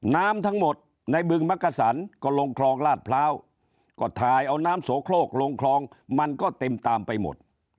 น้ำทั้งหมดในบึงมักกะสันก็ลงคลองลาดพร้าวก็ทายเอาน้ำโสโครกลงคลองมันก็เต็มตามไปหมด